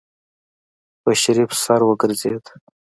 په شريف سر وګرځېده.